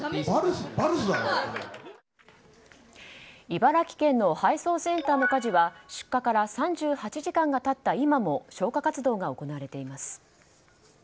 茨城県の配送センターの火事は出火から３８時間が経った今も消火活動が行われています。